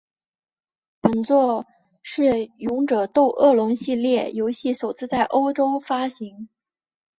本作是勇者斗恶龙系列游戏首次在欧洲发行。